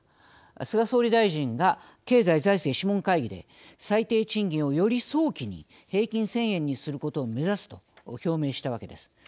菅総理大臣が経済財政諮問会議で最低賃金をより早期に平均１，０００円にすることを目指すと表明したわけです。